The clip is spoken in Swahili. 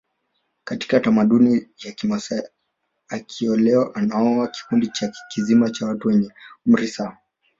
Katika tamaduni ya Kimasai akiolewa anaoa kikundi kizima cha watu wenye umri sawa